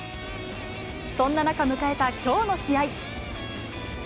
そんな中、迎えたきょうの試合。